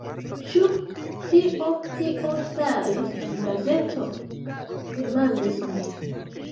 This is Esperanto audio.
Ĉu cio tio staris en gazeto? demandis mi.